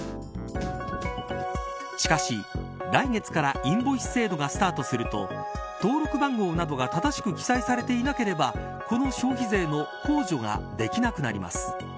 しかし、来月からインボイス制度がスタートすると登録番号などが正しく記載されていなければこの消費税の控除ができなくなります。